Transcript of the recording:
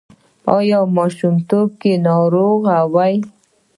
ایا ماشومتوب کې ناروغه وئ؟